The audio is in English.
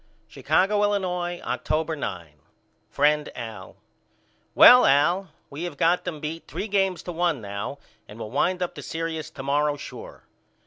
Chicago, Illinois, October 9. FRIEND AL: Well Al we have got them beat three games to one now and will wind up the serious to morrow sure.